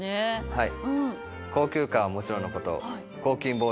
はい。